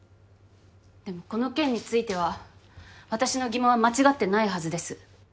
でもこの件については私の疑問は間違ってないはずです。